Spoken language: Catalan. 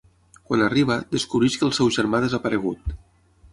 Quan arriba, descobreix que el seu germà ha desaparegut.